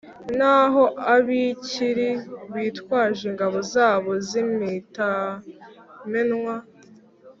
naho ab’i Kiri bitwaje ingabo zabo z’imitamenwa.